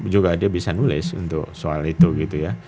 juga dia bisa nulis untuk soal itu gitu ya